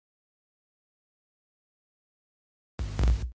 Faltar-li un caragol.